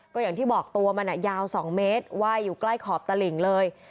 ก็อย่างที่บอกตัวมันยาว๒เมตรว่ายอยู่ใกล้ขอบตลิ่งเลย